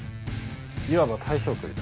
いわば大将首だ。